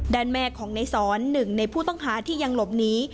ด้านแม่ของในสอน๑ในผู้ต้องหาที่ยังหลบหนี